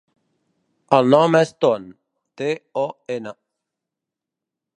El nom és Ton: te, o, ena.